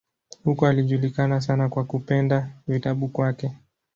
Huko alijulikana sana kwa kupenda vitabu kwake.